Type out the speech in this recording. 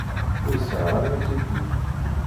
Ur sεiɣ ara atiki.